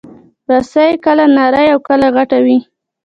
رسۍ کله نرۍ او کله غټه وي.